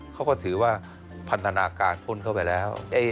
เขาก็ถือว่าพันธนาการพ่นเข้าไปแล้ว